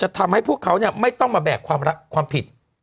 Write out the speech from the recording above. ทำให้พวกเขาไม่ต้องมาแบกความผิด